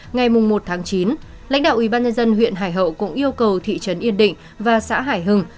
ngày một chín lãnh đạo ubnd huyện hải hậu cũng yêu cầu thị trấn yên định và xã hải hưng